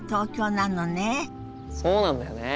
そうなんだよね。